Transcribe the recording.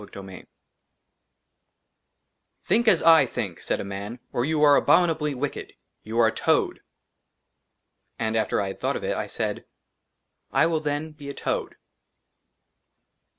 49 XLVII " THINK AS I THINK," SAID A MAN, OR YOU ARE ABOMINABLY WICKED ; "YOU ARE A TOAD." AND AFTER I HAD THOUGHT OF IT, I SAID, " I WILL, THEN, BE A TOAD."